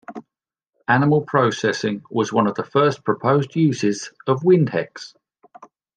Animal processing was one of the first proposed uses of the Windhexe.